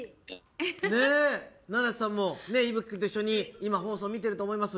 七星さんも、維吹君と一緒に今放送見ていると思います。